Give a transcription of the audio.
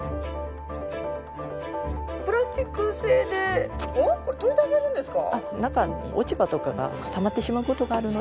プラスチック製でおっこれ取り出せるんですか？